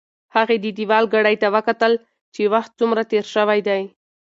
هغې د دېوال ګړۍ ته وکتل چې وخت څومره تېر شوی دی.